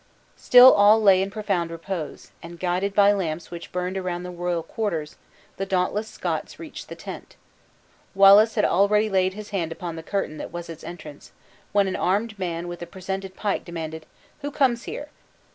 Still all lay in profound repose, and guided by the lamps which burned around the royal quarters, the dauntless Scots reached the tent. Wallace had already laid his hand upon the curtain that was its entrance, when an armed man with a presented pike, demanded, "Who comes here?"